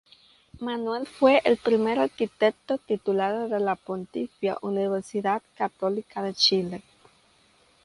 Manuel fue el primer arquitecto titulado de la Pontificia Universidad Católica de Chile.